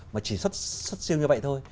mà chỉ xuất siêu như vậy thôi